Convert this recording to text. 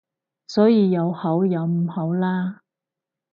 所以有好有唔好啦